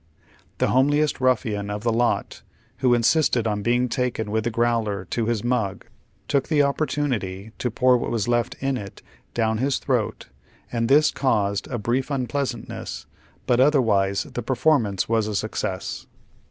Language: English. The homeliest ruffian of the lot, who insisted on being taken with the growler to his " mug," took the opportunity to pour wliat was left in it down his throat and this caused a brief unpleasantness, but otherwise the performance was a success.